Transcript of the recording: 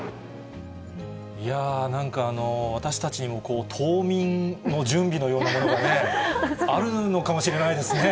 いやぁ、なんか私たちにも冬眠の準備のようなものがね、あるのかもしれないですね。